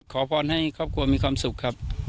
ขอพรให้ครอบครัวมีความสุขครับ